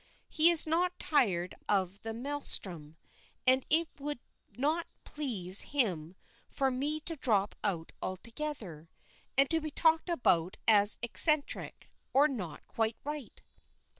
He is not tired of the maelstrom, and it would not please him for me to drop out altogether, and to be talked about as eccentric, or 'not quite right.'"